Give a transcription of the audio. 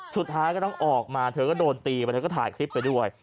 สุดท้ายก็ต้องออกมาโดนตีมาและถ่ายคลิปไปด้วย